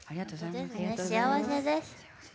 幸せです。